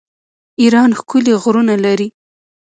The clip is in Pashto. ایران ښکلي غرونه لري.